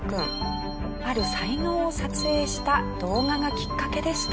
ある才能を撮影した動画がきっかけでした。